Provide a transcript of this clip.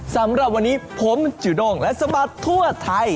สำหรับวันนี้ผมจุด้งและสะบัดทั่วไทย